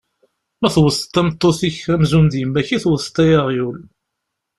Ma tewteḍ tameṭṭut-ik amzun d yemma-k i tewteḍ, ay aɣyul.